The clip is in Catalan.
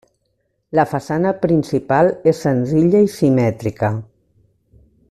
La façana principal és senzilla i simètrica.